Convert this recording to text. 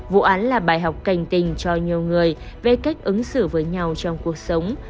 vụ án là bài học cảnh tình cho nhiều người về cách ứng xử với nhau trong cuộc sống